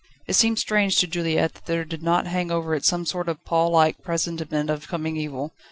It seemed strange to Juliette that there did not hang over it some sort of pall like presentiment of coming evil.